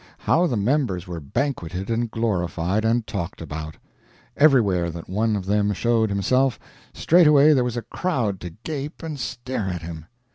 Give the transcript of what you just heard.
How the members were banqueted, and glorified, and talked about! Everywhere that one of them showed himself, straightway there was a crowd to gape and stare at him.